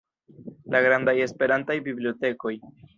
La grandaj Esperantaj bibliotekoj.